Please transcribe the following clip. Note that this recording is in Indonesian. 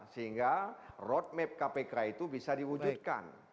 sehingga roadmap kpk itu bisa diwujudkan